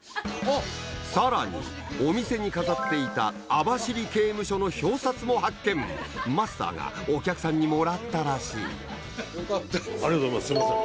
さらにお店に飾っていた網走刑務所の表札も発見マスターがお客さんにもらったらしいありがとうございますすいません。